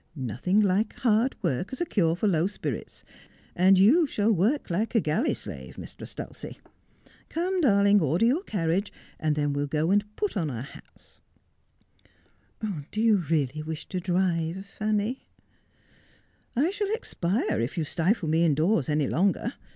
Nothing like hard work as a cure for low spirits ; and you shall work like a galley slave, Mistress Dulcie. Come, darling, order your carriage, and then we'll go and put on our hats.' ' Do you really wish to drive, Fanny 1 '' I shall expire if you stifle me indoors any longer.